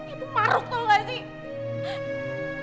itu maruk tau gak sih